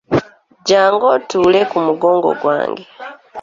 Jangu otuule ku mugongo gwange.